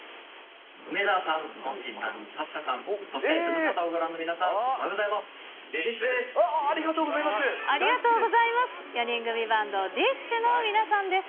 梅澤さん、モッチーさん、サッシャさん、そしてズムサタをご覧の皆さん、おはようございます。